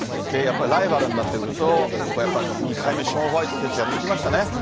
やっぱりライバルになってくると、やっぱり２回目、ショーン・ホワイト選手、やってきましたね。